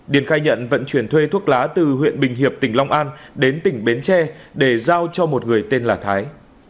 điền khai nhận vận chuyển thuê thuốc lá từ huyện bình hiệp tỉnh long an đến tỉnh bến tre để giao cho một người tên là thái